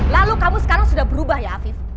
lalu kamu sekarang sudah berubah ya afif